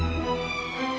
aku mau jalan